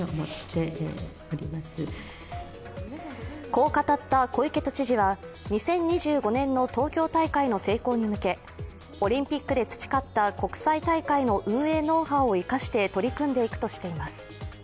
こう語った小池都知事は、２０２５年の東京大会の成功に向けオリンピックで培った国際大会の運営ノウハウを生かして取り組んでいくとしています。